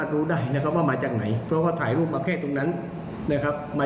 เนี่ยอ๋อมันเกิดขึ้นนะ